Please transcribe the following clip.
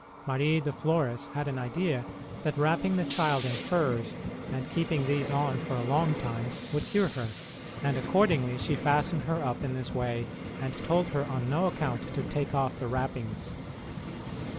Marie de Flores had an idea that wrapping the child in furs, and keeping these on for a long time, would cure her ; and accordingly she fastened her up in this way, and told her on no account to take off the wrap HER LOVE FOR ST. CATHERINE OF SIENA 57 pings.